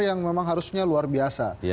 yang memang harusnya luar biasa